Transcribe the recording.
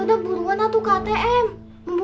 terus kebutuhan betul betul